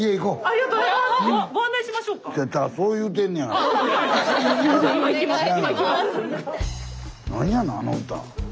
なんやのあの歌。